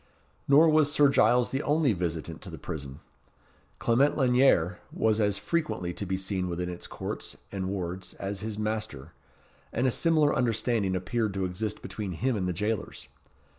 Nor was Sir Giles the only visitant to the prison. Clement Lanyere was as frequently to be seen within its courts and wards as his master, and a similar understanding appeared to exist between him and the jailers.